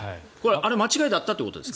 間違いだったということですか。